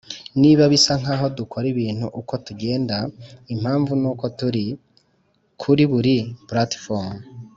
niba bisa nkaho dukora ibintu uko tugenda, impamvu nuko turi. kuri buri "platform",